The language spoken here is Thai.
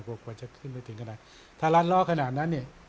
ก็ควรจะขึ้นไปถึงขนาดถ้ารัดล้อขนาดนั้นเนี่ย